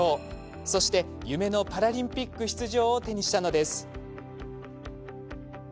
そして、夢のパラリンピック出場を手にしたのです。